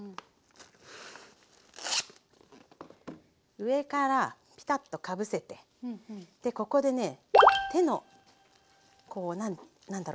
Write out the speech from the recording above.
上からピタッとかぶせてここでね手のこうなんだろ。